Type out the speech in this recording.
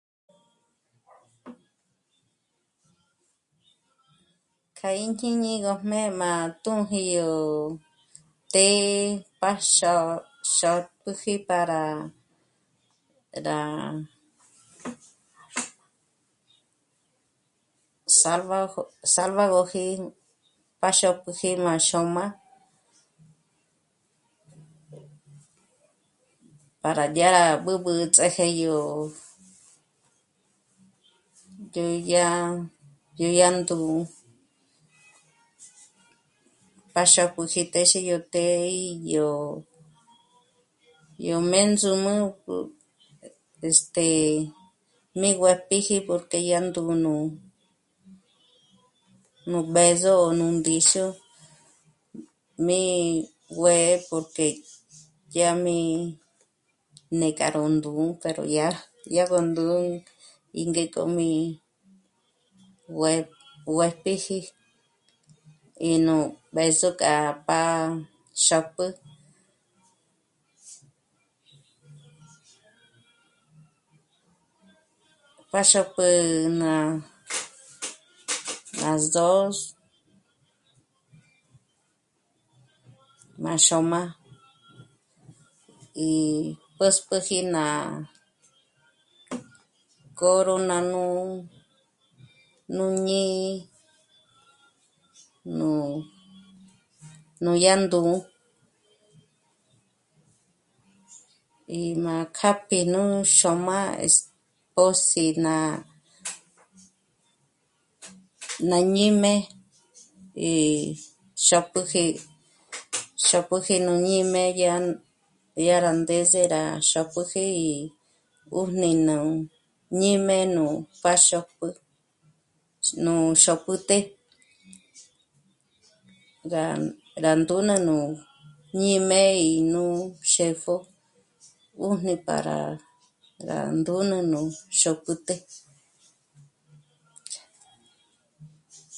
K'a í jñíñi gójmé má tū́ji yó të́'ë, pa xô..., xôpüji para... rá salvajo, salvágoji pa xópüji má xôm'a para dyá rá b'ǚb'ü ts'ájé yó, yó yá, yó yá ndù'u, pa xópüji téxe yó të́'ë yó, yó méndzǔm'ü, este... mí guë́'ë píji porque yá ndù'u nú, nú b'ë̌zo, nú ndíxu, mí guë́'ë porque yá mí né'e k'a ró ndù'u k'a ró dyája dyá ró ndù'u í ngék'o mí guë́p..., guë́p'eji í nú b'ë̌zo k'a pá'a xóp'ü, pá xóp'ü ná, ná zós', má xôm'a í pä̌sp'äji ná córona nú, nú ñí'i, nú, núdyá ndù'u í má kjáp'i nú xôm'a este... pós'i ná, ná ñǐjme í xóp'üji, xóp'üji nú ñíjme yá, yá rá ndés'e rá xóp'üji 'ùjni nú ñíjme nú pa xóp'ü, nú xópüté, gá ndǔn'u nú ñǐjm'e í nú xë́pjo 'ùjni para rá ndǔn'u nú xóp'üté